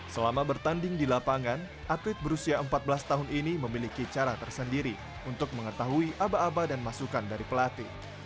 selama bertanding di lapangan atlet berusia empat belas tahun ini memiliki cara tersendiri untuk mengetahui aba aba dan masukan dari pelatih